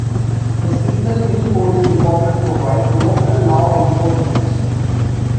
The Signal Hill Police Department provides local law enforcement.